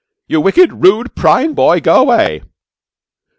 "You wicked, rude, prying boy, go away!"